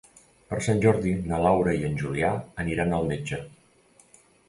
Per Sant Jordi na Laura i en Julià aniran al metge.